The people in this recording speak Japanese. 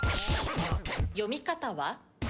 読み方は？